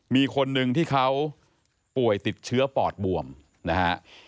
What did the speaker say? มีคนนึงที่เขาป่วยติดเชื้อปอดบวมนะฮะ